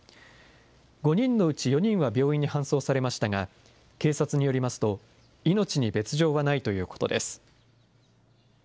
５人のうち４人は病院に搬送されましたが、警察によりますと、命に別状はないということです。